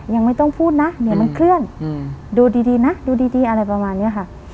ยังไม่ต้องพูดนะเดี๋ยวมันเคลื่อนดูดีนะดูดีอะไรประมาณนี้ค่ะ